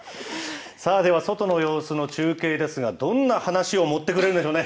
では、外の様子の中継ですが、どんな話を盛ってくれるんでしょうね。